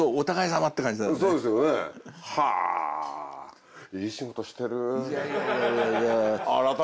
改めていい仕事してる！